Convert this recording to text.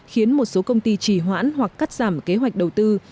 khiến một số công ty chỉ hoãn hoặc cắt giảm kế hoạch đầu tư